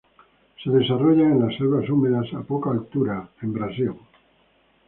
Se desarrollan en las selvas húmedas a poca altura en Brasil.